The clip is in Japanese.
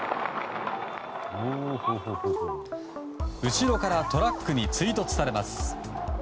後ろからトラックに追突されます。